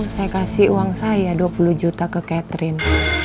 saya kasih uang saya dua puluh juta ke catherine